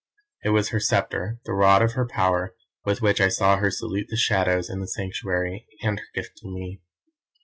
It was her sceptre, the rod of her power, with which I saw her salute the Shadows in the Sanctuary, and her gift to me.